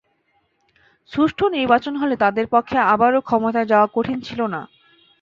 সুষ্ঠু নির্বাচন হলে তাদের পক্ষে আবারও ক্ষমতায় যাওয়া কঠিন ছিল না।